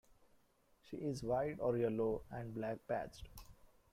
She is white or yellow and black-patched.